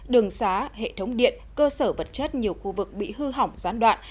đường xá hệ thống điện cơ sở vật chất nhiều khu vực bị hư hỏng gián đoạn